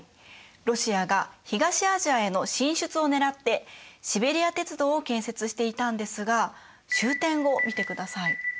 ロシアが東アジアへの進出をねらってシベリア鉄道を建設していたんですが終点を見てください。